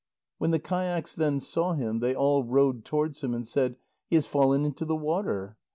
When the kayaks then saw him, they all rowed towards him, and said: "He has fallen into the water."